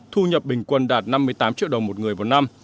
thu nhập bình quân đạt năm mươi tám triệu đồng một người vào năm